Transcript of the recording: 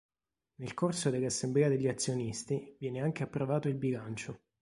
Nel corso dell’Assemblea degli azionisti viene anche approvato il bilancio.